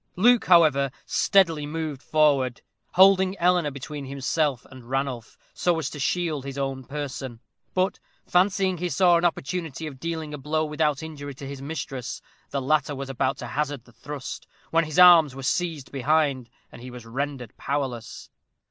Luke, however, steadily moved forward, holding Eleanor between himself and Ranulph, so as to shield his own person; but, fancying he saw an opportunity of dealing a blow without injury to his mistress, the latter was about to hazard the thrust, when his arms were seized behind, and he was rendered powerless.